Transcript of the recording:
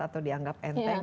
atau dianggap enteng